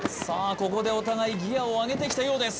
ここでお互いギアをあげてきたようです